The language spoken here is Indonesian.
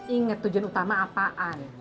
ingat tujuan utama apaan